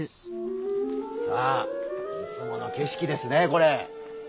さあいつもの景色ですねこれ。